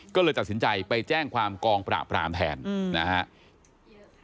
ก็เลยตัดสินใจไปแจ้งความกองปราบรามแทนนะครับ